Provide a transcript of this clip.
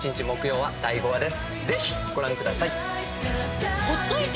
ぜひご覧ください。